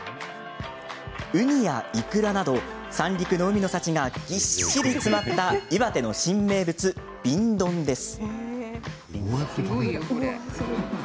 ウニやいくらなど三陸の海の幸がぎっしり詰まった岩手の新名物、瓶ドンです。